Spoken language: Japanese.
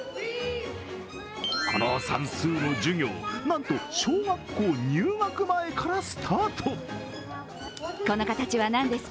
この算数の授業、なんと小学校入学前からスタート。